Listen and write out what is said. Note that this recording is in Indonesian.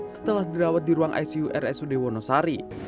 setelah dirawat di ruang icu rsud wonosari